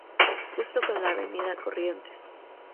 Justo con la Avenida Corrientes.